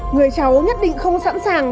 người cháu nhất định không sẵn sàng